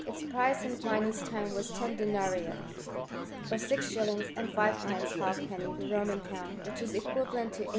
Its price m Pliny's time was ten denarii, or six shillings and fivfr pence halfpenny the Roman pound ; which is equifti lent to 85.